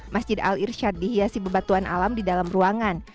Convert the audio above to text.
masjid al irshad dihiasi bebatuan alam di dalam ruangan